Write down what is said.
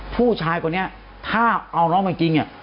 ผู้ชายก่อนเนี่ยถ้าเอาน้องใช่จริง